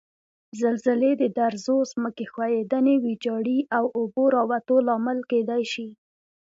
زلزلې د درزو، ځمکې ښویدنې، ویجاړي او اوبو راوتو لامل کېدای شي.